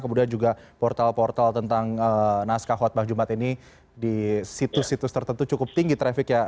kemudian juga portal portal tentang naskah khutbah jumat ini di situs situs tertentu cukup tinggi trafficnya